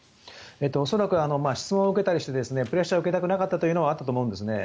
恐らく質問を受けたりしてプレッシャーを受けたくなかったというのはあったと思うんですね。